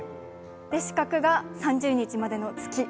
□が３０日までの月。